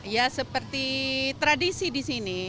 ya seperti tradisi di sini